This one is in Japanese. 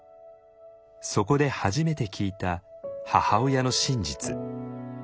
そこで初めて聞いた母親の真実。